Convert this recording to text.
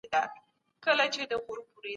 ميئنه نه ده مينواله ده عالمه